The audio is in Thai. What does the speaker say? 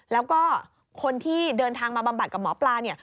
แล้วก็คนที่เดินทางมาบำบัดกับหมอปลาเนี่ย